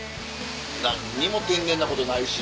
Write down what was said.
何にも天然なことないし。